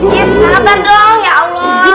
ya sabar dong ya allah